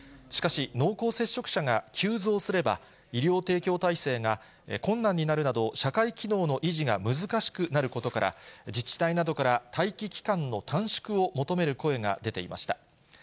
しかし、濃厚接触者が急増すれば、医療提供体制が困難になるなど、社会機能の維持が難しくなることから、自治体などから、待機期間の短縮を求める声が出ていました。